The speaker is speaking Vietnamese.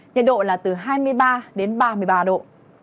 nhiệt độ là từ hai mươi ba đến ba mươi ba độ